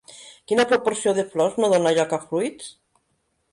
Quina proporció de flors no dona lloc a fruits?